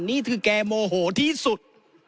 นี่คือแกโมโหที่สุด